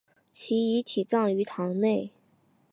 其遗体葬于堂内。